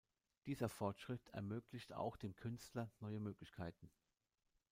Dieser Fortschritt ermöglicht auch dem Künstler neue Möglichkeiten.